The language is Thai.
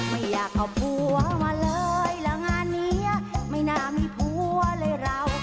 ไม่อยากเอาผัวมาเลยแล้วงานนี้ไม่น่ามีผัวเลยเรา